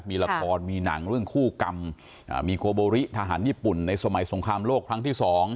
มีละครมีหนังเรื่องคู่กรรมมีโกโบริทหารญี่ปุ่นในสมัยสงครามโลกครั้งที่๒